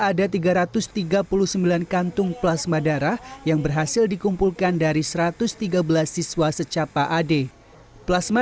ada tiga ratus tiga puluh sembilan kantung plasma darah yang berhasil dikumpulkan dari satu ratus tiga belas siswa secapa ad plasma